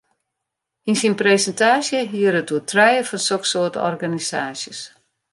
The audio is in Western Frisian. Yn syn presintaasje hie er it oer trije fan soksoarte organisaasjes.